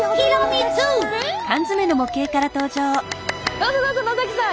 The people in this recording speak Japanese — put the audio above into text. どうぞどうぞ野さん